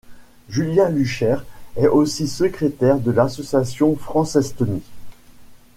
Julien Luchaire est aussi secrétaire de l'Association France-Estonie.